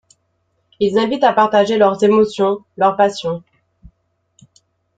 Ils invitent à partager leurs émotions, leurs passions.